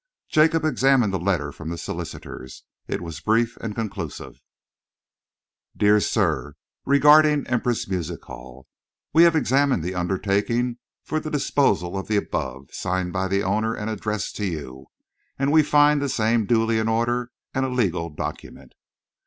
Jacob examined the letter from the solicitors. It was brief and conclusive: Dear Sir, Re the Empress Music Hall. We have examined the undertaking for the disposal of the above, signed by the owner and addressed to you, and we find the same duly in order and a legal document.